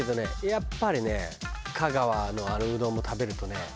やっぱりね香川のあのうどんも食べるとね